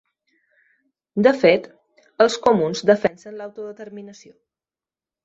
De fet, els comuns defensen l’autodeterminació.